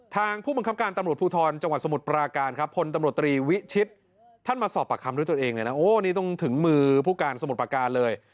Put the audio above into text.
ผู้บังคับการตำรวจภูทรจังหวัดสมุทรปราการครับพลตำรวจตรีวิชิตท่านมาสอบปากคำด้วยตัวเองเลยนะโอ้นี่ต้องถึงมือผู้การสมุทรประการเลย